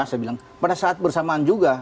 saya bilang pada saat bersamaan juga